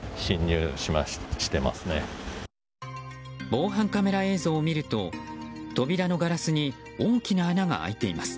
防犯カメラ映像を見ると扉のガラスに大きな穴が開いています。